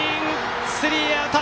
スリーアウト！